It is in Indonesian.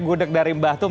gudeg dari batum